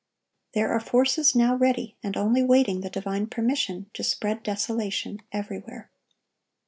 There are forces now ready, and only waiting the divine permission, to spread desolation everywhere.